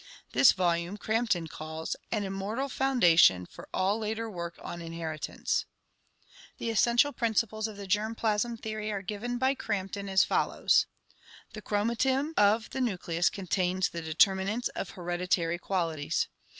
This volume Crampton calls "an immortal foundation for all later work on inheritance." The essential principles of the germ plasm theory are given by Crampton as follows (see also Fig. 17) : "The chromatin [see Fig. 24] of the nucleus contains the deter minants of hereditary qualities.